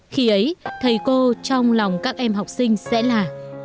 khi ấy thầy cô trong lòng các em học sinh sẽ là